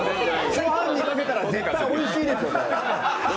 ご飯にかけたら絶対おいしいでしょ。